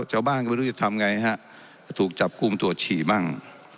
ชาวบ้านก็ไม่รู้จะทำไงฮะถูกจับกลุ่มตรวจฉี่มั่ง